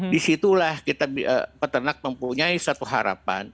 di situlah peternak mempunyai satu harapan